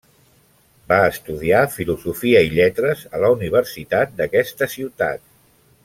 Va estudiar Filosofia i Lletres a la universitat d'aquesta ciutat.